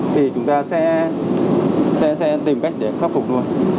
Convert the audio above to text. thì chúng ta sẽ tìm cách để khắc phục luôn